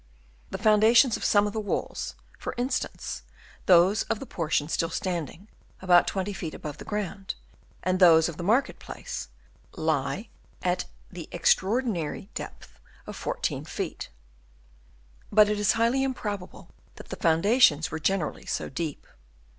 The foundations of some of the walls, for instance those of the portion still stand ing about 20 feet above the ground, and those of the market place, lie at the extra ordinary depth of 14 feet; but it is highly improbable that the foundations were gener Chap. IV. OF ANCIENT BUILDINGS. 229 ally so deep.